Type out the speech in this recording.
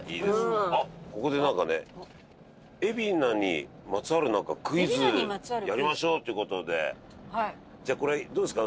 あっここでなんかね海老名にまつわるクイズやりましょうっていう事でじゃあこれどうですか？